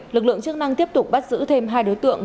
lực lượng chức năng tiếp tục bắt giữ thêm hai đối tượng